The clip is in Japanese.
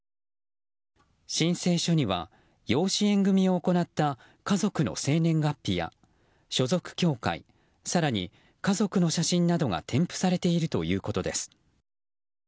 申請書には養子縁組を行った家族の生年月日や所属教会、更に家族の写真などが添付されているということです。